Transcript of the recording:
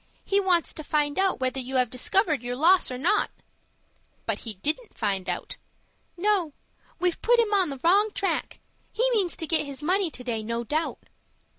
He wants to find out whether you have discovered your loss or not." "But he didn't find out." "No; we've put him on the wrong track. He means to get his money to day, no doubt."